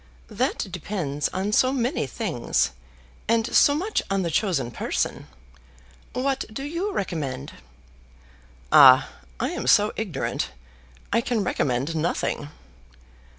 "That depends on so many things, and so much on the chosen person. What do you recommend?" "Ah, I am so ignorant. I can recommend nothing."